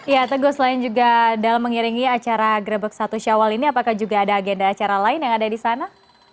ya teguh selain juga dalam mengiringi acara grebek satu syawal ini apakah juga ada agenda acara lain yang ada di sana